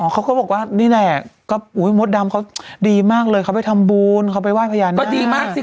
เขาบอกว่านี่แหละแล้วก็มดดำเขาดีมากเลยเขาไปทำบูรณ์เขาไปไหว้พญานาคติด